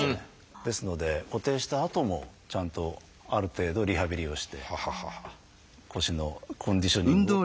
ですので固定したあともちゃんとある程度リハビリをして腰のコンディショニングを良くする必要はあります。